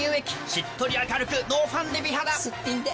しっとり明るくノーファンデ美肌すっぴんで。